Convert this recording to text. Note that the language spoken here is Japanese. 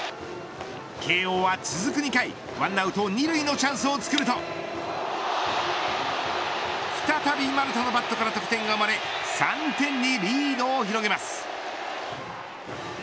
慶応は続く２回、１アウト２塁のチャンスをつくると再び丸田のバットから得点が生まれ３点に。